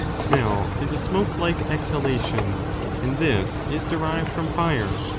Smell' is a smoke like exhalation,^ and this is derived from fire.